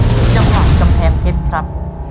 จังหวัดกำแพงเพชรครับ